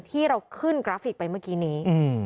ที่เราขึ้นกราฟิกไปเมื่อกี้นี้